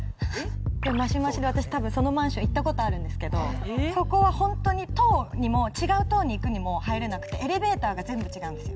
マシマシで私多分そのマンション行ったことあるんですけどそこはホントに棟にも違う棟に行くにも入れなくてエレベーターが全部違うんですよ。